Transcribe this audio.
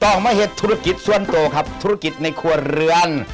ออกมาเห็นธุรกิจส่วนตัวครับธุรกิจในครัวเรือน